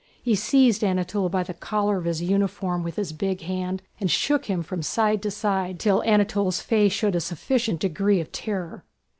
He seized Anatole by the collar of his uniform with his big hand and shook him from side to side till Anatole's face showed a sufficient degree of terror.